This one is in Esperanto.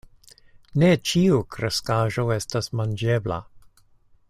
Ne ĉiu kreskaĵo estas manĝebla.